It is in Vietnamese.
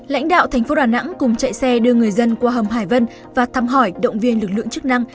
lãnh đạo thành phố đà nẵng cùng chạy xe đưa người dân qua hầm hải vân và thăm hỏi động viên lực lượng chức năng